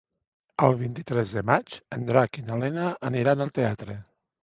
El vint-i-tres de maig en Drac i na Lena aniran al teatre.